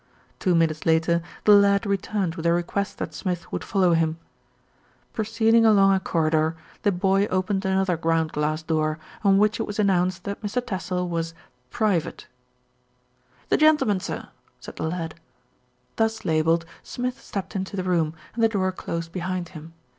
Two minutes later the lad returned with a request that Smith would follow him. Proceeding along a cor ridor, the boy opened another ground glass door, on which it was announced that Mr. Tassell was "Pri vate." MR. TASSELL IS SURPRISED 153 "The gentleman, sir," said the lad. Thus labelled, Smith stepped into the room, and the door closed behind him.